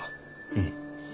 うん。